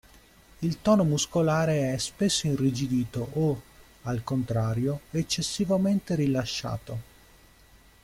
Il tono muscolare è spesso irrigidito o, al contrario eccessivamente rilasciato.